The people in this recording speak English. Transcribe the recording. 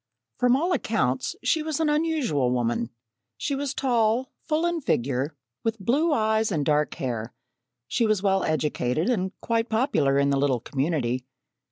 From all accounts, she was an unusual woman. She was tall, full in figure, with blue eyes and dark hair; she was well educated and quite popular in the little community.